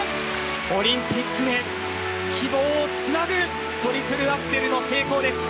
オリンピックへ希望をつなぐトリプルアクセルの成功です。